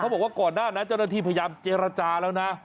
บอกว่าก่อนหน้านั้นเจ้าหน้าที่พยายามเจรจาแล้วนะ